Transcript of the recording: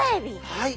はい。